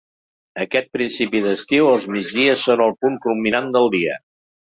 Aquest principi d'estiu, els migdies són el punt culminant del dia.